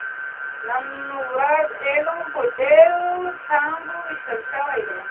نن ورځ علم په ډېرو څانګو ویشل شوی دی.